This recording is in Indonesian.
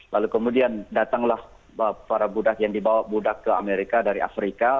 lalu kemudian datanglah para budak yang dibawa budak ke amerika dari afrika